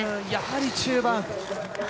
やはり中盤。